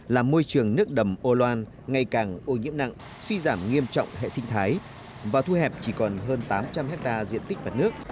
làm môi trường nước đầm âu loan ngày càng ô nhiễm nặng suy giảm nghiêm trọng hệ sinh thái và thu hẹp chỉ còn hơn tám trăm linh hectare diện tích mặt nước